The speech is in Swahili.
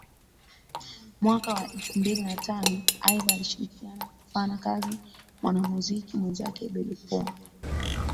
mwaka wa elfu mbili na tano Aidha alishirikiana kufana kazi mwanamuziki mwenzake Bebe poa